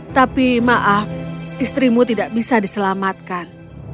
tapi maaf istrimu tidak bisa diselamatkan